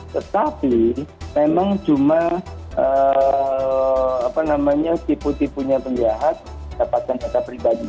tetapi memang cuma tipu tipunya penjahat dapatkan data pribadi